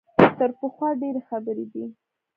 تر پخوا ډېرې خبرې دي.